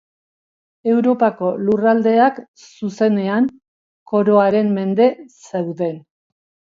Europako lurraldeak, zuzenean, Koroaren mende zeuden.